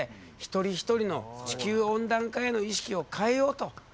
一人一人の地球温暖化への意識を変えようと考えているんだね。